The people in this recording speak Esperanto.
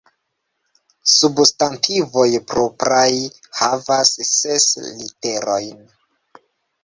Substantivoj propraj havas ses literojn.